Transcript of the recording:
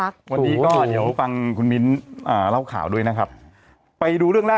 ช่วงข่าวพ็อตกรรมใง